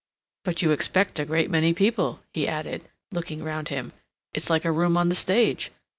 "But you expect a great many people," he added, looking round him. "It's like a room on the stage.